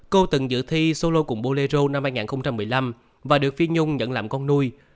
cô từng dự thi solo cùng bolero năm hai nghìn một mươi năm và được phi nhung nhận làm con nuôi